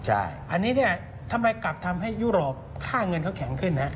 อันนี้เนี่ยทำไมกลับทำให้ยุโรปค่าเงินเขาแข็งขึ้น